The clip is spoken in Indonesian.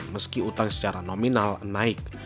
meski utang secara nominal naik